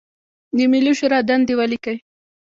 د ملي شورا دندې ولیکئ.